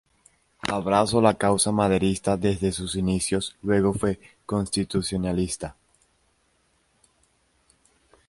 Abrazó la causa maderista desde sus inicios, luego fue constitucionalista.